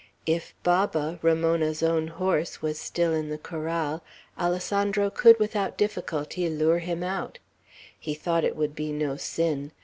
If Baba, Ramona's own horse, was still in the corral, Alessandro could without difficulty lure him out. He thought it would be no sin.